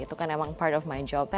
itu kan emang part of my job